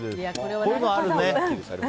こういうのあるね。